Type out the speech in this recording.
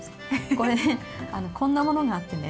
これこんなものがあってね